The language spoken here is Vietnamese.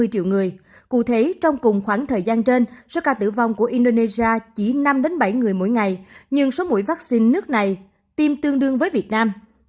ba mươi triệu người cụ thể trong cùng khoảng thời gian trên số ca tử vong của indonesia chỉ năm bảy người mỗi ngày nhưng số mũi vaccine nước này tiêm tương đương với việt nam